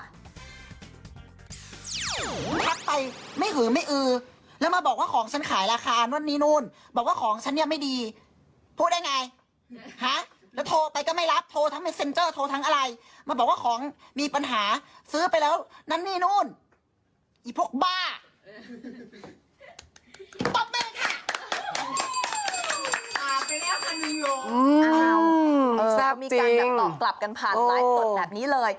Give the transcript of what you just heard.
ต่อกลับกันผ่านไลฟ์ตรงแบบนี้เลย